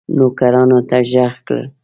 نوکرانو ته ږغ کړل.